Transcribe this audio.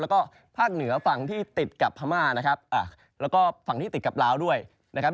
แล้วก็ภาคเหนือฝั่งที่ติดกับพม่านะครับแล้วก็ฝั่งที่ติดกับลาวด้วยนะครับ